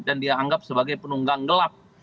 dan dianggap sebagai penunggang gelap